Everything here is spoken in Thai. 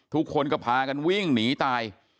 ทุกคนก็พากันวิ่งหนีตาย